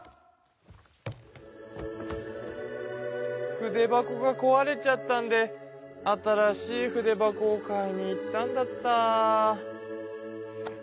筆箱がこわれちゃったんで新しい筆箱を買いに行ったんだった。